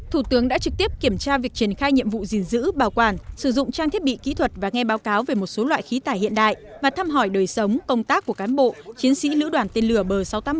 thủ tướng đã trực tiếp kiểm tra việc triển khai nhiệm vụ gìn giữ bảo quản sử dụng trang thiết bị kỹ thuật và nghe báo cáo về một số loại khí tải hiện đại và thăm hỏi đời sống công tác của cán bộ chiến sĩ lữ đoàn tên lửa bờ sáu trăm tám mươi một